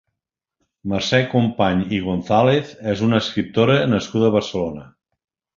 Mercè Company i González és una escriptora nascuda a Barcelona.